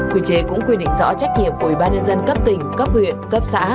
quy chế cũng quy định rõ trách nhiệm của ủy ban nhân dân cấp tỉnh cấp huyện cấp xã